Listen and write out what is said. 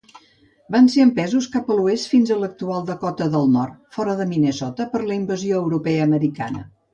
Van ser empesos cap a l'oest fins a l'actual Dakota del Nord, fora de Minnesota, per la invasió europeu-americana.